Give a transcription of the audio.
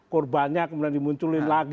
kurbannya kemudian dimunculin lagi